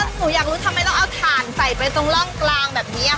หนูอยากรู้ทำไมต้องเอาถ่านใส่ไปตรงร่องกลางแบบนี้ค่ะ